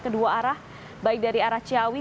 kedua arah baik dari arah ciawi